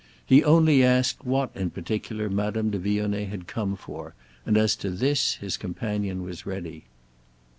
He only asked what in particular Madame de Vionnet had come for, and as to this his companion was ready.